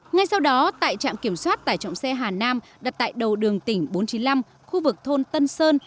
ngay sau đó tại trạm kiểm soát tải trọng xe hà nam đặt tại đầu đường tỉnh bốn trăm chín mươi năm khu vực thôn tân sơn